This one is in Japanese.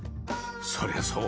そりゃそう